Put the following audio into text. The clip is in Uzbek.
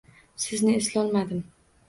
Sizni eslolmadim.